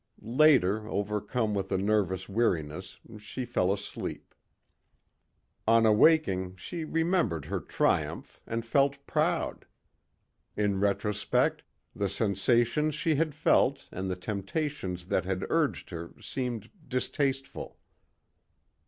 Later, overcome with a nervous weariness, she fell asleep. On awaking she remembered her triumph and felt proud. In retrospect the sensations she had felt and the temptations that had urged her seemed distasteful.